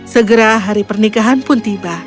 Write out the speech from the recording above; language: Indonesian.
segera hari pernikahan pun tiba